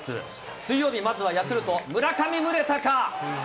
水曜日、まずはヤクルト、村上宗隆。